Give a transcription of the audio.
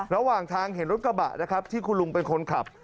ระหว่างทางเห็นรถกระบะนะครับที่คุณลุงเป็นคนขับ